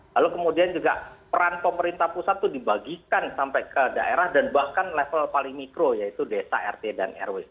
lalu kemudian juga peran pemerintah pusat itu dibagikan sampai ke daerah dan bahkan level paling mikro yaitu desa rt dan rw